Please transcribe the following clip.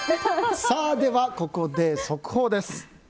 では、ここで速報です。